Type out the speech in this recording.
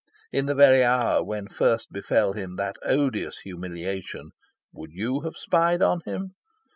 In the very hour when first befell him that odious humiliation, would you have spied on him?